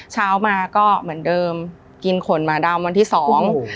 เช้ามาก็เหมือนเดิมกินขนหมาดำวันที่สอง